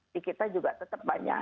di kita juga tetap banyak